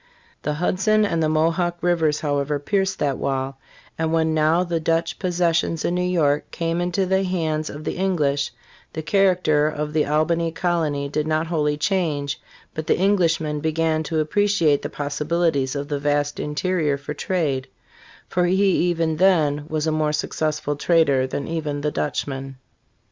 The Hudson and the Mo hawk rivers however pierced that wall; and when now the Dutch possessions in New York came into the hands of the English, the character of the Al bany colony did not wholly change, but the Englishman began to appreci ate the possibilities of the vast interior for trade; for he even then was a more successful trader than even the Dutchman.